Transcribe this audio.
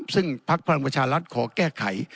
ซึ่งพักพลังประชารัฐขอแก้ไข